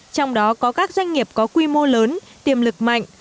trong đó có các doanh nghiệp có quy mô lớn tiềm lực mạnh